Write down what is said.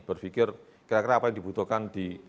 berpikir kira kira apa yang dibutuhkan di